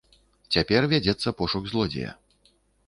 Цяпер вядзецца пошук злодзея.